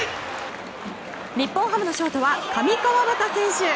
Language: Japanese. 日本ハムのショートは上川畑選手。